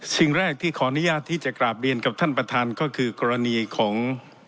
สิ่งแรกที่ขออนุญาตที่จะกราบเรียนกับท่านประธานก็คือกรณีของ